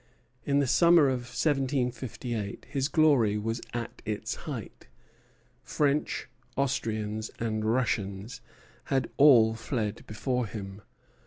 In the summer of 1758 his glory was at its height. French, Austrians, and Russians had all fled before him.